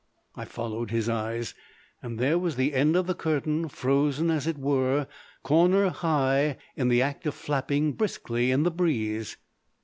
I followed his eyes, and there was the end of the curtain, frozen, as it were, corner high, in the act of flapping briskly in the breeze.